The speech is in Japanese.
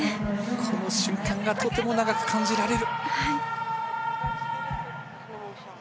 この瞬間がとても長く感じられる。